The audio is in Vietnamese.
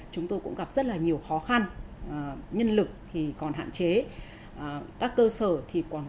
chúng tôi tìm gặp chị nguyễn thị thủy